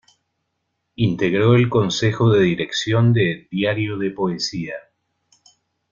Integró el consejo de dirección de "Diario de Poesía".